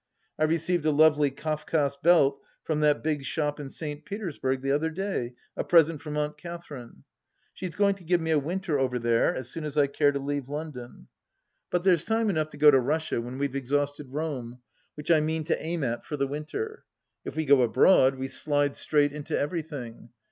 I received a lovely Kaf Kas belt from that big shop in St. Petersburg the other day, a present from Aunt Catherine, She is going to give me a winter over there as soon as I care to leave London. But 46 THE LAST DITCH there's time enough to go to Russia when we've exhausted Rome, which I mean to aim at for the winter. If we go abroad, we slide straight into everything.